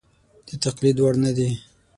د تقلید وړ نه دي.